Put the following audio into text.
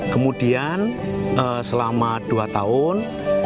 kemudian selama dua tahun